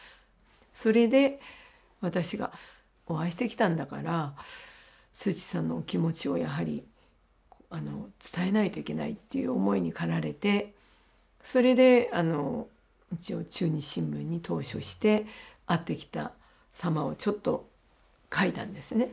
それで私がお会いしてきたんだからスー・チーさんのお気持ちをやはり伝えないといけないっていう思いに駆られてそれで中日新聞に投書して会ってきたさまをちょっと書いたんですね。